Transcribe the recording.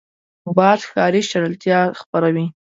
باد د ښاري چټلتیا خپروي